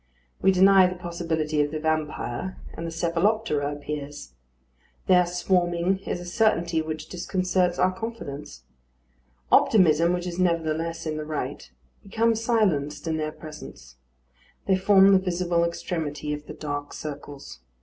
We deny the possibility of the vampire, and the cephaloptera appears. Their swarming is a certainty which disconcerts our confidence. Optimism, which is nevertheless in the right, becomes silenced in their presence. They form the visible extremity of the dark circles.